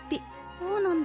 そうなんだ。